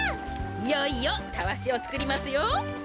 いよいよタワシをつくりますよ！